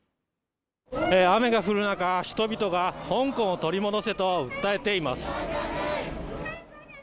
雨が降る中、人々が香港を取り戻せと訴えています。